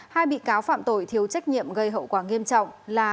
hai bị cáo phạm tội thiếu trách nhiệm gây hậu quả nghiêm trọng là